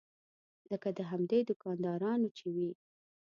لکه د همدې دوکاندارانو چې وي.